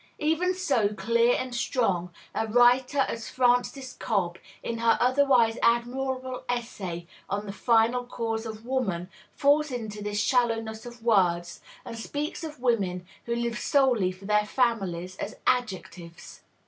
Even so clear and strong a writer as Frances Cobbe, in her otherwise admirable essay on the "Final Cause of Woman," falls into this shallowness of words, and speaks of women who live solely for their families as "adjectives."